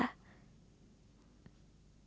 kamu salah ya